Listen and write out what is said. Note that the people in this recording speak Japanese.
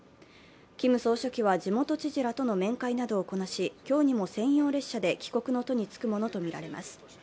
キム総書記は地元知事らとの面会などをこなし、今日にも専用列車で帰国の途につくものとみられます。